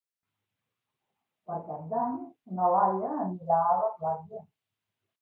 Per Cap d'Any na Laia anirà a la platja.